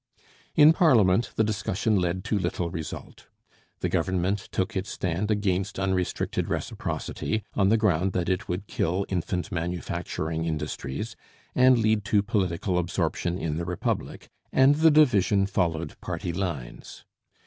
In parliament the discussion led to little result. The Government took its stand against unrestricted reciprocity, on the ground that it would kill infant manufacturing industries and lead to political absorption in the Republic, and the division followed party lines.